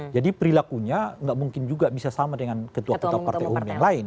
perilakunya nggak mungkin juga bisa sama dengan ketua ketua partai umum yang lain